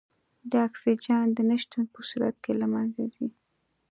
د اکسیجن د نه شتون په صورت کې له منځه ځي.